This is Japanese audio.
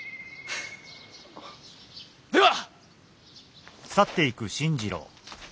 では！